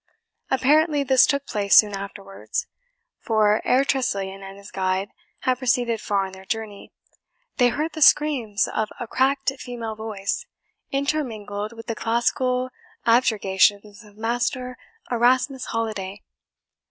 Apparently this took place soon afterwards; for ere Tressilian and his guide had proceeded far on their journey, they heard the screams of a cracked female voice, intermingled with the classical objurgations of Master Erasmus Holiday.